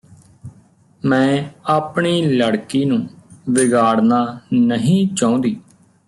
ਮੈਂ ਆਪਣੀ ਲੜਕੀ ਨੂੰ ਵਿਗਾੜਨਾ ਨਹੀਂ ਚਾਹੁੰਦੀ